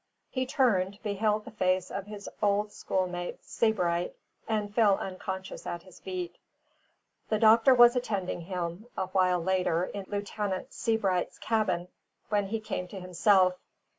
He turned, beheld the face of his old schoolmate Sebright, and fell unconscious at his feet. The doctor was attending him, a while later, in Lieutenant Sebright's cabin, when he came to himself.